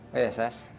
ya ya sis